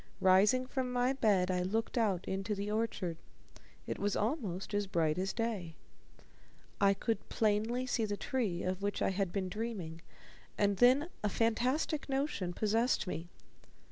Rising from my bed, I looked out into the orchard. It was almost as bright as day. I could plainly see the tree of which I had been dreaming, and then a fantastic notion possessed me.